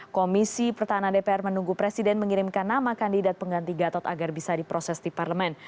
komisi pertahanan dpr menunggu presiden mengirimkan nama kandidat pengganti gatot agar bisa diproses di parlemen